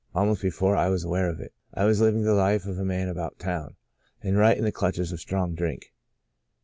Almost before I was aware of it, I was living the life of a man about town, and right in the clutches of strong drink.